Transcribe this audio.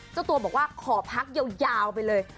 เจ้าตัวบอกว่าขอพักยาวไปเลย